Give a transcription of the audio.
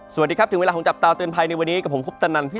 สวัสดีครับหึจับตาตือลไพในวันนี้กับผมพุภตนัลพทย